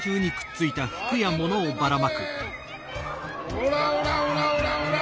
おらおらおらおらおら！